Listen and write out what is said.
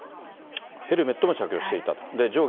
ヘルメットも着用していたと。